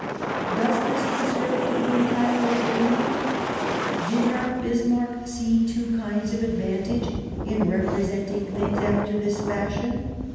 Does this deserve to be entirely believed ? Did not Bismarck see two kinds of advantage in repre senting things after this fashion